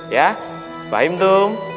ya paham dong